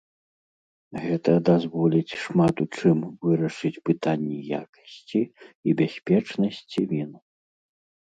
Гэта дазволіць шмат у чым вырашыць пытанні якасці і бяспечнасці він.